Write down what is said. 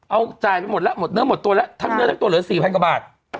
เอาจ่ายไปหมดแล้วหมดเนื้อหมดตัวแล้วทั้งเนื้อทั้งตัวเหลือ๔๐๐กว่าบาท